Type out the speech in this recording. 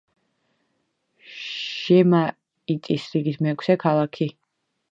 ჟემაიტიის რიგით მეექვსე ქალაქი.